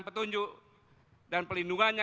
petunjuk dan pelindungannya